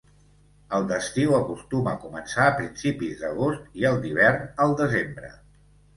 El d'estiu acostuma a començar a principis d'agost i el d'hivern, el desembre.